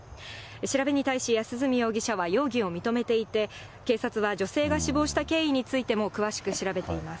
調べに対し、安栖容疑者は容疑を認めていて、警察は女性が死亡した経緯についても詳しく調べています。